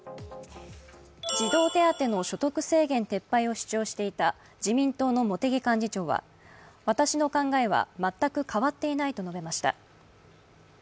児童手当の所得制限撤廃を主張していた自民党の茂木幹事長は私の考えは全く変わっていないと述べました。